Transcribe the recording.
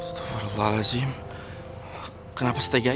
astagfirullahaladzim kenapa setegah itu